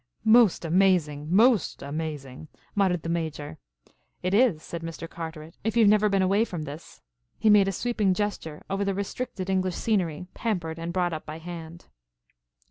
"Most amazing! Most amazing!" muttered the Major. "It is," said Mr. Carteret, "if you have never been away from this." He made a sweeping gesture over the restricted English scenery, pampered and brought up by hand.